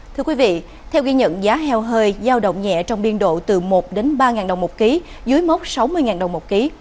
thưa quý vị theo ghi nhận giá heo hơi giao động nhẹ trong biên độ từ một đến ba đồng một ký dưới mốc sáu mươi đồng một ký